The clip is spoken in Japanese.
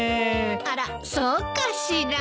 あらそうかしら？